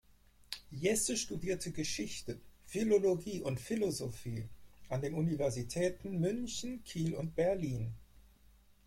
Jesse studierte Geschichte, Philologie und Philosophie an den Universitäten München, Kiel und Berlin.